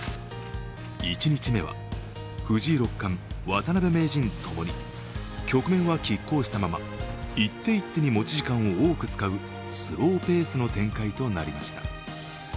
１日目は藤井六冠、渡辺名人ともに局面はきっ抗したまま一手一手に持ち時間を多く使うスローペースの展開となりました。